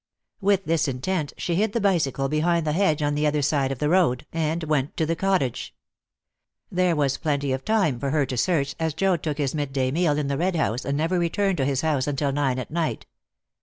With this intent she hid the bicycle behind the hedge on the other side of the road, and went to the cottage. There was plenty of time for her to search, as Joad took his mid day meal in the Red House and never returned to his house until nine at night.